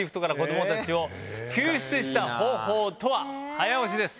早押しです。